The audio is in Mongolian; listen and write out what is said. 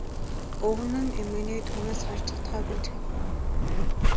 Өвгөн нь эмгэнээ түүнээс хойш зодохоо байж гэнэ.